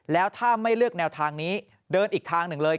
แล้วถ้าไม่เลือกแนวทางนี้เดินอีกทางหนึ่งเลย